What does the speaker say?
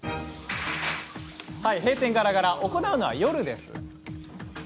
閉店ガラガラを行うのは夜。